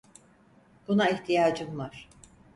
Buna ihtiyacım var.